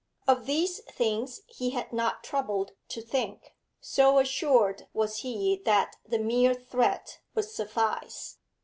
Of these things he had not troubled to think, so assured was he that the mere threat would suffice.